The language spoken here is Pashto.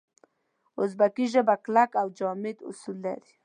اوزبکي ژبه کلک او جامد اصول لري.